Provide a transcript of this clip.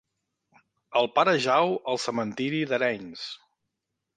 El pare jau al cementiri d'Arenys.